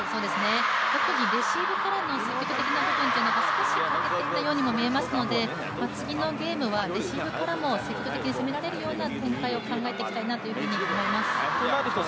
特にレシーブからの攻めの部分というのが少し欠けていたように見えますので次のゲームは、レシーブからも積極的に攻めていける展開を考えていきたいと思います。